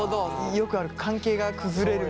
よくある関係が崩れるみたいな。